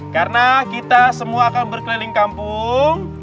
karena kita semua akan berkeliling kampung